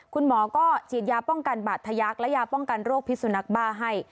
คุณหมอก็ฉีดยาป้องกันบาดทะยักษ์และยาป้องกันโรคพิสุนักบ้าให้